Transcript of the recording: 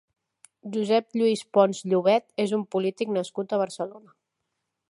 Josep Lluís Pons Llovet és un polític nascut a Barcelona.